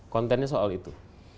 kontennya soal itu